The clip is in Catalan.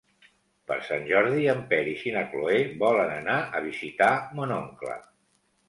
Per Sant Jordi en Peris i na Cloè volen anar a visitar mon oncle.